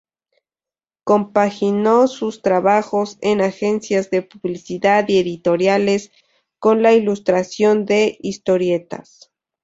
Compaginó sus trabajos en agencias de publicidad y editoriales con la ilustración de historietas.